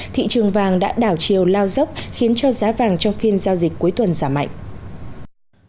thị trường vàng đã đảo chiều lao dốc khiến cho giá vàng trong phiên giao dịch cuối tuần giảm mạnh